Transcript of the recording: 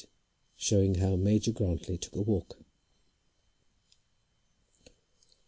SHOWING HOW MAJOR GRANTLY TOOK A WALK.